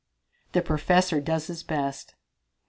The Professor Does His Best.